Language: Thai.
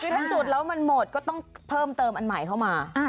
คือที่สุดแล้วมันหมดก็ต้องเพิ่มเติมอันใหม่เข้ามา